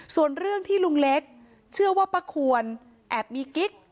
ส่วนเรื่องที่ลุงเล็กเชื่อว่าป้าควรแอบมีกิ๊ก